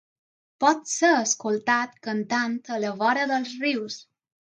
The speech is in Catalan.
Pot ser escoltat cantant a la vora dels rius.